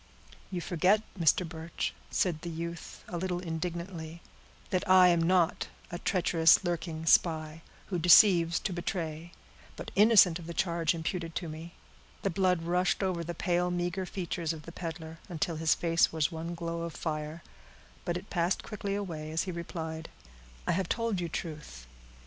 "You forget, Mr. Birch," said the youth, a little indignantly, "that I am not a treacherous, lurking spy, who deceives to betray; but innocent of the charge imputed to me." The blood rushed over the pale, meager features of the peddler, until his face was one glow of fire; but it passed quickly away, as he replied,— "I have told you truth.